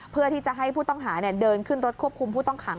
เพื่อที่จะให้ผู้ต้องหาเดินขึ้นรถควบคุมผู้ต้องขัง